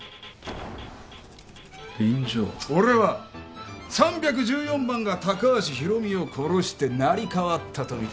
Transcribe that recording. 俺は３１４番が高橋博美を殺して成り代わったとみてる！